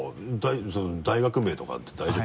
大学名とかって大丈夫？